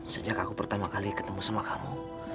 sejak aku pertama kali ketemu sama kamu